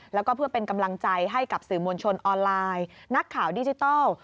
แล้วก็เพื่อเป็นกำลังใจให้กับสื่อมวลชนออนไลน์นักข่าวดิจิทัล